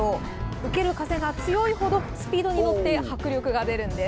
受ける風が強いほど、スピードに乗って迫力が出るんです。